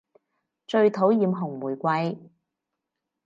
最討厭紅玫瑰